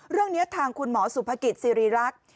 เรื่องนี้ทางคุณหมอสุภกิจสิริรักษ์